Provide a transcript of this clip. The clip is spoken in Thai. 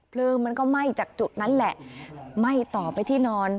เพลิงมันก็ไหม้จากจุดนั้นแหละไหม้ต่อไปที่นอน